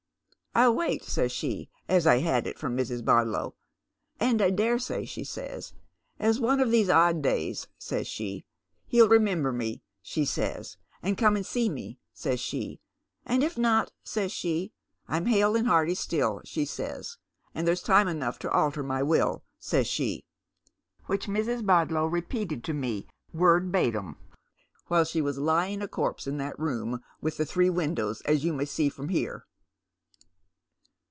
' I'll wait,' saj's she — as I had it from Mrs. Bodlow, —' and I dare say,' she says, ' as one of these odd days,' says she, ' he'll remember me,' she BsxyBf *and come and see me,' says she ; 'and if not,' says she, 'I'm hale and hearty still,' she says, ' and there's time enough to alter '^Will P'orlune never comef" 155 my will,' says she, which Mrs. Bodlow repeated to me word batum while she was lying a corpse in that room with the three windows as you may see from here."